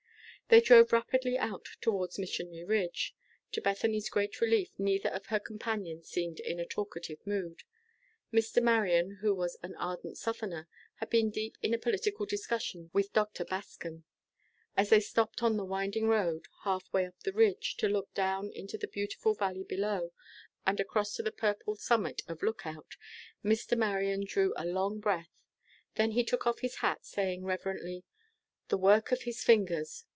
They drove rapidly out towards Missionary Ridge. To Bethany's great relief, neither of her companions seemed in a talkative mood. Mr. Marion, who was an ardent Southerner, had been deep in a political discussion with Dr. Bascom. As they stopped on the winding road, half way up the ridge, to look down into the beautiful valley below, and across to the purple summit of Lookout, Mr. Marion drew a long breath. Then he took off his hat, saying, reverently, "The work of His fingers!